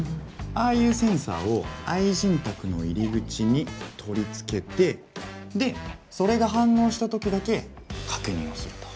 ああいうセンサーを愛人宅の入り口に取り付けてでそれが反応した時だけ確認をすると。